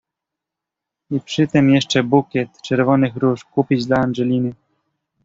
"I przytem jeszcze bukiet czerwonych róż kupić dla Angeliny!"